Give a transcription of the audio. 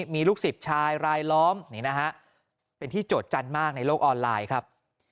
มีลูกศิษย์ชายรายล้อมเป็นที่โจทยจันทร์มากในโลกออนไลน์ครับ